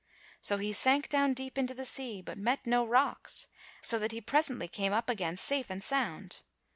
So he sank down deep into the sea, but met no rocks, so that he presently came up again safe and sound.